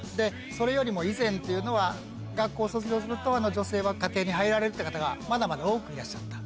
それよりも以前というのは学校を卒業すると女性は家庭に入られるっていう方がまだまだ多くいらっしゃった。